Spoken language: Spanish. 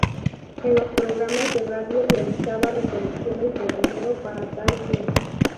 En los programas de radio realizaba recolecciones de dinero para tal fin.